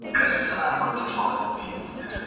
زه به سړو ته خواړه ورکړي وي!!